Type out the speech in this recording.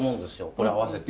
これ合わせて。